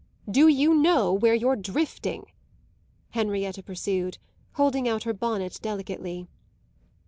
"Do you know where you're drifting?" Henrietta pursued, holding out her bonnet delicately.